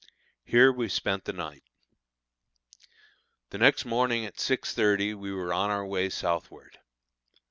Here we spent the night. The next morning at 6.30 we were on our way southward.